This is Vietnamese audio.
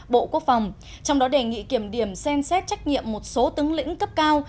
bộ quốc phòng trong đó đề nghị kiểm điểm xem xét trách nhiệm một số tướng lĩnh cấp cao